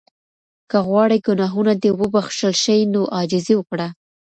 که غواړې ګناهونه دې وبخښل شي نو عاجزي وکړه.